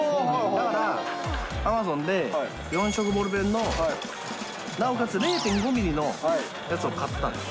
だから、アマゾンで４色ボールペンのなおかつ０．５ミリのやつを買ったんです。